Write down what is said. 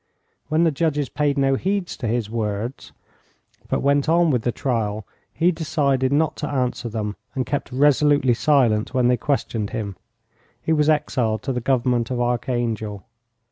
When the judges paid no heed to his words, but went on with the trial, he decided not to answer them and kept resolutely silent when they questioned him. He was exiled to the Government of Archangel.